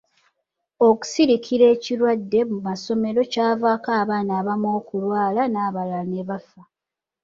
Okusirikira ekirwadde mu masomero kyavaako abaana abamu okulwala n’abalala ne bafa.